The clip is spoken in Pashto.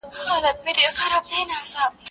دا تمرين له هغه ګټور دي